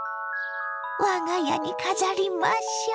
我が家に飾りましょ。